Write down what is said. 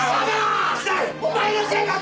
お前のせいだぞ！